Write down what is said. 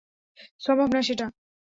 সম্ভব না সেটা।